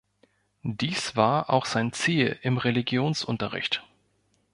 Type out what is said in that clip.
Dies war auch sein Ziel im Religionsunterricht.